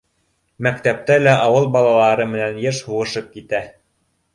Мәктәптә лә ауыл балалары менән йыш һуғышып китә.